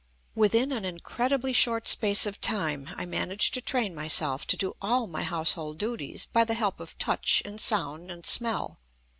Within an incredibly short space of time I managed to train myself to do all my household duties by the help of touch and sound and smell.